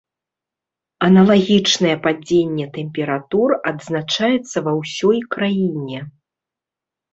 Аналагічнае падзенне тэмператур адзначаецца ва ўсёй краіне.